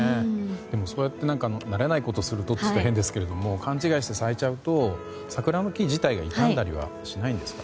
でも、そうやって慣れないことするとと言うと変ですが勘違いして咲いちゃうと桜の木自体が傷んだりしないんですか？